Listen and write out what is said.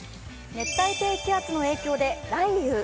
熱帯低気圧の影響で雷雨。